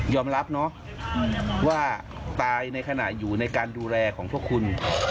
รับเนอะว่าตายในขณะอยู่ในการดูแลของพวกคุณ